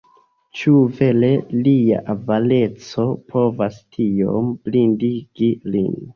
Ĉu vere lia avareco povas tiom blindigi lin?